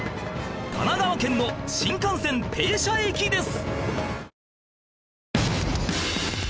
神奈川県の新幹線停車駅です